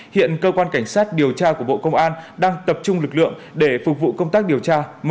hiện cơ quan cảnh sát điều tra của bộ công an đang tập trung lực lượng để phục vụ công tác điều tra